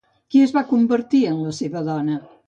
Qui es va convertir en la seva dona?